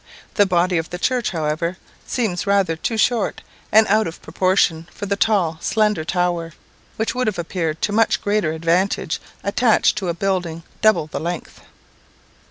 The body of the church, however, seems rather too short, and out of proportion, for the tall slender tower, which would have appeared to much greater advantage attached to a building double the length.